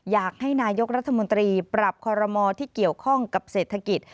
อยากให้นายกรัฐมนตรีปรับคอรมอที่เกี่ยวข้องกับเศรษฐกิจ